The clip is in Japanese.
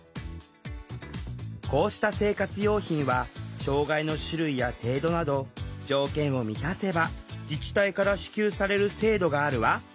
こうした生活用品は障害の種類や程度など条件を満たせば自治体から支給される制度があるわ。